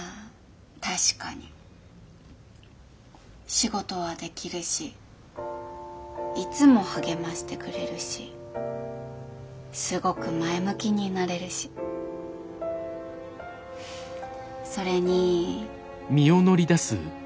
仕事はできるしいつも励ましてくれるしすごく前向きになれるしそれに。